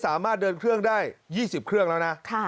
สามารถเดินเครื่องได้๒๐เครื่องแล้วนะ